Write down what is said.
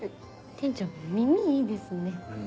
店長耳いいですね。